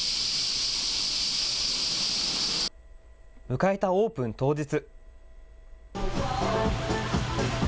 迎えたオープン当日。